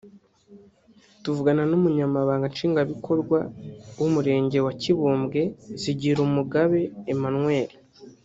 tuvugana n’umunyamabanga nshingwabikorwa w’umurenge wa Kibumbwe Zigirumugabe Emmanuel